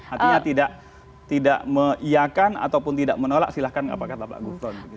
artinya tidak meyakan ataupun tidak menolak silahkan apa kata pak gufron